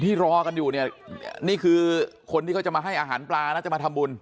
รอกันอยู่เนี่ยนี่คือคนที่เขาจะมาให้อาหารปลานะจะมาทำบุญ